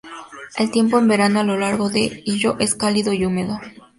El tiempo en verano a lo largo de Hyōgo es cálido y húmedo.